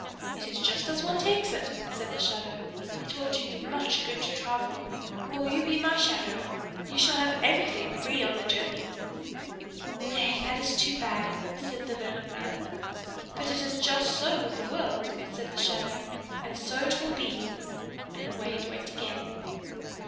"It is just as one takes it!" said the shadow. "It will do you much good to travel! Will you be my shadow? You shall have everything free on the journey!" "Nay, that is too bad!" said the learned man. "But it is just so with the world!" said the shadow, "and so it will be!" and away it went again.